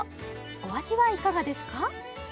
お味はいかがですか？